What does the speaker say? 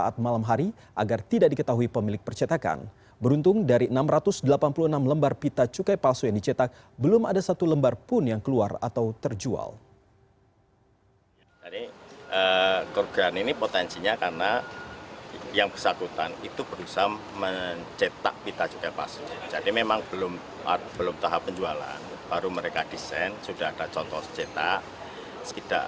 jadi memang belum tahap penjualan baru mereka desain sudah ada contoh cetak